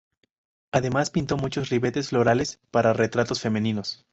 Además, pintó muchos ribetes florales para retratos femeninos.